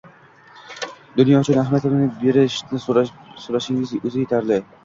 dunyo uchun ahamiyatini aytib berishni so‘rashning o‘zi yetarli.